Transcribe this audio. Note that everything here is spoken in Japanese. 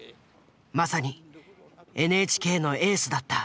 まさにＮＨＫのエースだった。